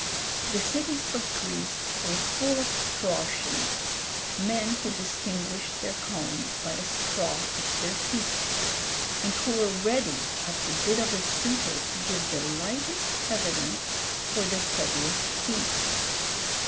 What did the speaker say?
The cities of Greece were full of straw shoes, men who distinguished their calling by a straw at their feet, and who were ready at the bid of a suitor to give the lightest evidence for the heaviest fee.